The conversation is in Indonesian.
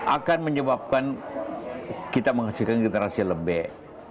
akan menyebabkan kita menghasilkan generasi yang lebih